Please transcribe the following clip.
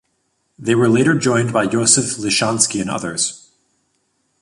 They were later joined by Yosef Lishansky and others.